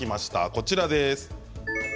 こちらです。